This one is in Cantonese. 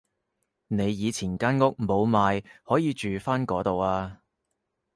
你以前間屋冇賣可以住返嗰度啊